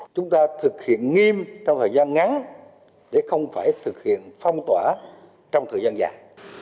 chúng ta thực hiện nghiêm trong thời gian ngắn để không phải thực hiện phong tỏa trong thời gian dài